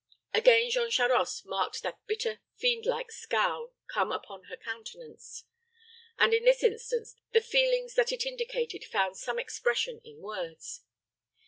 Again Jean Charost marked that bitter, fiend like scowl come upon her countenance, and, in this instance, the feelings that it indicated found some expression in words.